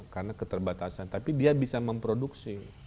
karena keterbatasan tapi dia bisa memproduksi